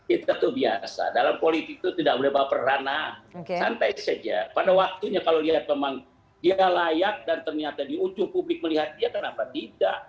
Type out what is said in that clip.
itu biasa dalam politik itu tidak boleh baper ranah santai saja pada waktunya kalau lihat memang dia layak dan ternyata di ujung publik melihat dia kenapa tidak